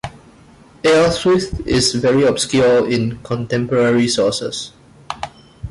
Ealhswith is very obscure in contemporary sources.